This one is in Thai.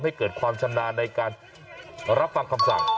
ให้เกิดความชำนาญในการรับฟังคำสั่ง